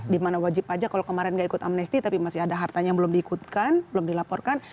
dimana wajib pajak kalau kemarin nggak ikut amnesti tapi masih ada hartanya yang belum diikutkan belum dilaporkan